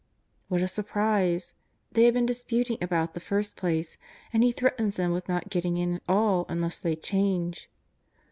What a surprise ! They had been disputing about the first place, and He threatens them with not getting in at all unless thev chancre.